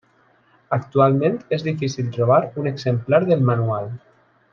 Actualment és difícil trobar un exemplar del manual.